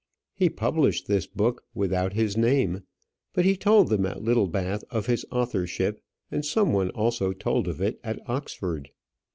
He published this book without his name, but he told them at Littlebath of his authorship; and some one also told of it at Oxford.